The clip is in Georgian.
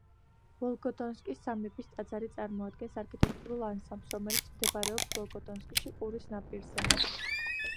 ვოლგოდონსკის სამების ტაძარი წარმოადგენს არქიტექტურულ ანსამბლს, რომელიც მდებარეობს ვოლგოდონსკში ყურის ნაპირზე.